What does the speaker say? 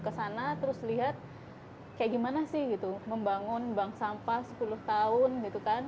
kesana terus lihat kayak gimana sih gitu membangun bank sampah sepuluh tahun gitu kan